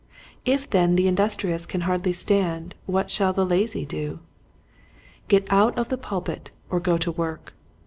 If then the industrious can hardly stand what shall the lazy do? Get out of the pulpit or go to work.